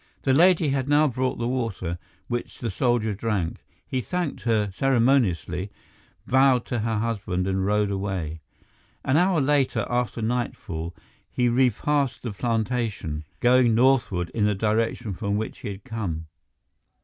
The lady had now brought the water, which the soldier drank. He thanked her ceremoniously, bowed to her husband and rode away. An hour later, after nightfall, he repassed the plantation, going northward in the direction from which he had come.